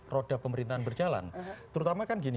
roda pemerintahan berjalan terutama kan gini